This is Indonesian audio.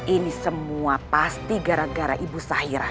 ini semua pasti gara gara ibu sahira